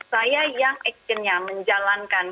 saya yang action nya menjalankan